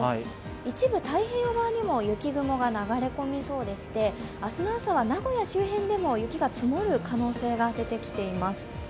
一部太平洋側にも雪雲が流れ込みそうでして、明日の朝は名古屋周辺でも雪が積もる可能性が出てきています。